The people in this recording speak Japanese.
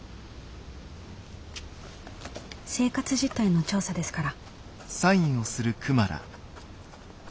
生活実態の調査ですから。